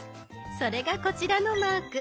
それがこちらのマーク。